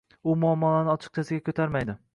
U muammolarni ochiqchasiga ko'tarmaydi